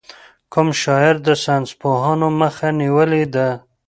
کوم شاعر د ساینسپوهانو مخه نېولې ده.